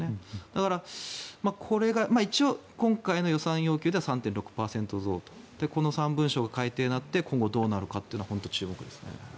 だから、これが一応、今回の予算要求では３．６％増とそれで今回の３文書改定となって今後どうなるかは本当に注目ですね。